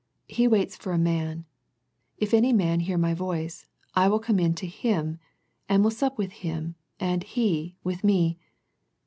He waits for a man, " If any man hear My voice, I will come in to hintj and will sup with him and he with Me."